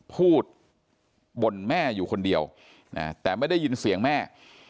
บ่นแม่อยู่คนเดียวแต่ไม่ได้ยินเสียงแม่